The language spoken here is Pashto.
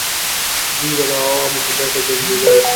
دوی به د عوامو په ګټه جنګېدل.